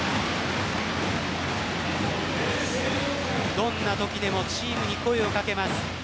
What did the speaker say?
どんなときでもチームに声を掛けます。